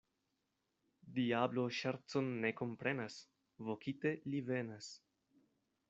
Diablo ŝercon ne komprenas, vokite li venas.